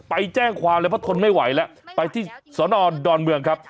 ไปแจ้งความเลยเพราะทนไม่ไหวแล้วไปที่สนดอนเมืองครับ